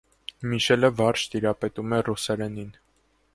Միշելը վարժ տիրապետում է ռուսերենին։